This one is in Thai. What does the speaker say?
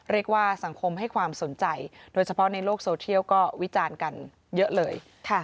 เรียกว่าสังคมให้ความสนใจโดยเฉพาะในโลกโซเทียลก็วิจารณ์กันเยอะเลย